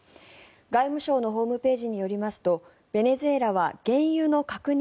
外務省のホームページによりますとベネズエラは原油の確認